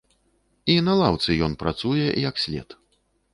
І на лаўцы ён працуе, як след.